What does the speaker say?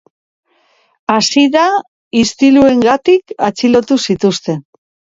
Hasi da istiluengatik atxilotu zituzten.